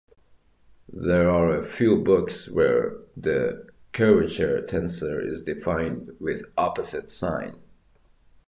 There are a few books where the curvature tensor is defined with opposite sign.